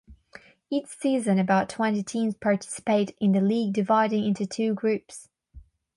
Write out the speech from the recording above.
Each season about twenty teams participate in the league dividing into two groups.